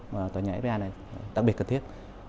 và tòa nhà fba này đặc biệt cần thiết